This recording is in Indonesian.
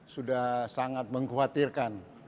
sudah sangat mengkhawatirkan